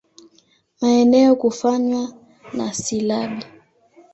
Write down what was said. Maneno kufanywa na silabi.